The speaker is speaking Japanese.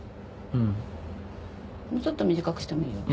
もうちょっと短くしてもいいよ？